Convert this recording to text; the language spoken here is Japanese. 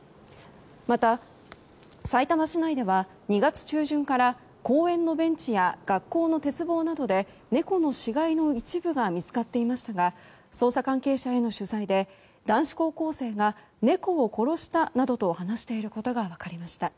また、さいたま市内では２月中旬から公園のベンチや学校の鉄棒などで猫の死骸の一部が見つかっていましたが捜査関係者への取材で男子高校生が猫を殺したなどと話していることが分かりました。